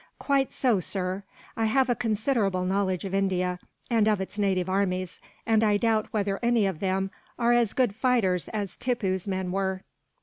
"Quite so, sir. I have a considerable knowledge of India, and of its native armies; and I doubt whether any of them are as good fighters as Tippoo's men were."